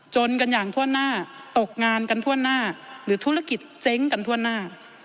จนกันอย่างทั่วหน้าตกงานกันทั่วหน้าหรือธุรกิจเจ๊งกันทั่วหน้า